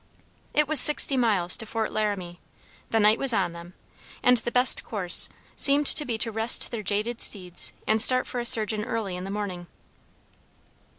It was sixty miles to Fort Laramie; the night was on them, and the best course seemed to be to rest their jaded steeds and start for a surgeon early in the morning.